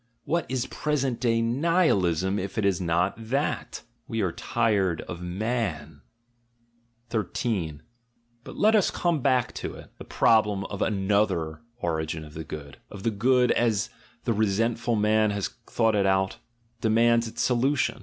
— What is present day Nihilism if it is n.)t that? — We are tired of man. "GOOD AND EVIL," "GOOD AND BAD" 27 13 But let us come back to it; the problem of another origin of the good — of the good, as the resentful man has thought it out — demands its solution.